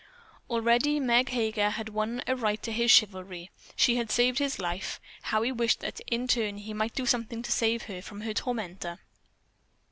Already Meg Heger had won a right to his chivalry. She had saved his life. How he wished that in turn he might do something to save her from her tormentor.